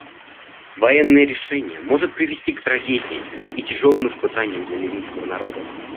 Военное решение может привести к трагедии и тяжелым испытаниям для ливийского народа.